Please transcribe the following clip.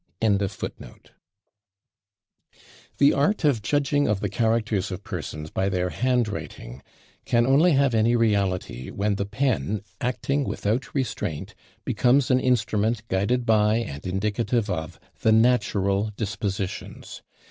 AUTOGRAPHS. The art of judging of the characters of persons by their handwriting can only have any reality when the pen, acting without restraint, becomes an instrument guided by, and indicative of, the natural dispositions.